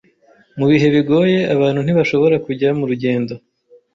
Mu bihe bigoye, abantu ntibashobora kujya murugendo,